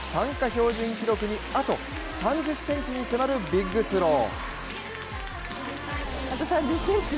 標準記録にあと３０ｃｍに迫るビッグスロー。